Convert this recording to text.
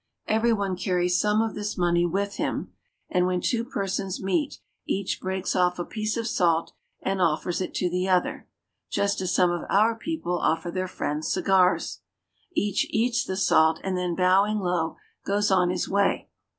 Every one carries some of this money with him, and when two persons meet each breaks off a piece of salt and offers it to the other, just as some of our people offer their friends cigars. Each eats the salt, and then, bowing low, goes on his way.